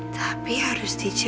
tapi harus dijahit